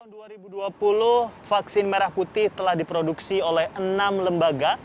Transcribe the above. tahun dua ribu dua puluh vaksin merah putih telah diproduksi oleh enam lembaga